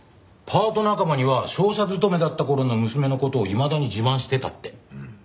パート仲間には商社勤めだった頃の娘の事をいまだに自慢してたって。